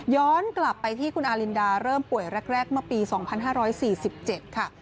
กลับไปที่คุณอารินดาเริ่มป่วยแรกเมื่อปี๒๕๔๗ค่ะ